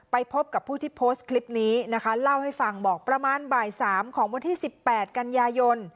พบกับผู้ที่โพสต์คลิปนี้นะคะเล่าให้ฟังบอกประมาณบ่ายสามของวันที่๑๘กันยายน